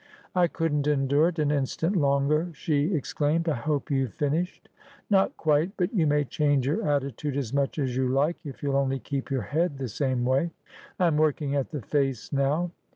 ' I couldn't endure it an instant longer !' she exclaimed. ' I hope you've finished.' ' Not quite ; but you may change your attitude as much as you like if you'll only keep your head the same way. I am working at the face now.'